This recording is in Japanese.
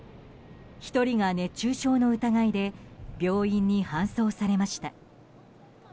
１人が熱中症の疑いで病院に搬送されました。